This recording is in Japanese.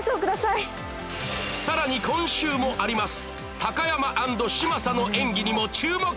さらに今週もあります